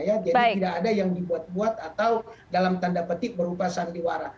jadi tidak ada yang dibuat buat atau dalam tanda petik berupa sandiwara